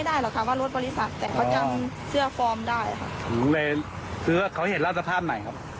โดดลงรถหรือยังไงครับ